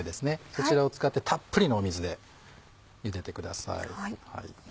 そちらを使ってたっぷりの水でゆでてください。